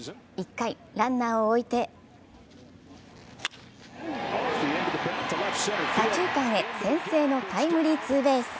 １回、ランナーを置いて左中間へ先制のタイムリーツーベース。